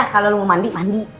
kalau lo mau mandi mandi